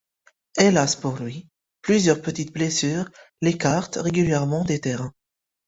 Hélas pour lui, plusieurs petites blessures l'écartent régulièrement des terrains.